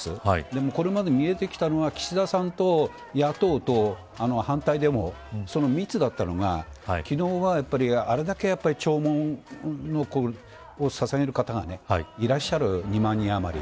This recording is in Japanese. でもこれまで見えてきたのは岸田さんと野党と反対デモ、その３つだったのが昨日は、やっぱりあれだけ弔問をささげる方がいらっしゃる２万人余り。